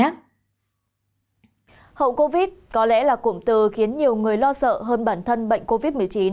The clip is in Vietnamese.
hậu covid có lẽ là cụm từ khiến nhiều người lo sợ hơn bản thân bệnh covid một mươi chín